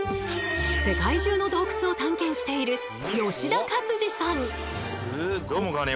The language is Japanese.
世界中の洞窟を探検しているえ！